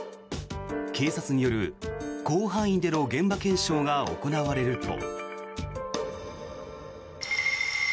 警察による広範囲での現場検証が行われると。